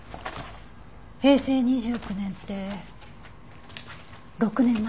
平成２９年って６年前？